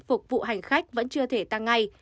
phục vụ hành khách vẫn chưa thể tăng ngay